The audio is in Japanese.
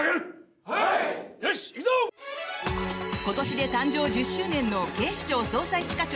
今年で誕生１０周年の「警視庁・捜査一